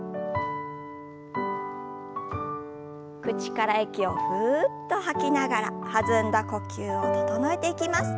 口から息をふっと吐きながら弾んだ呼吸を整えていきます。